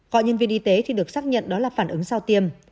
cọ nhân viên y tế thì được xác nhận đó là phản ứng sau tiêm